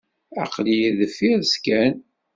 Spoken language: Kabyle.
Aql-iyi deffir-s kan.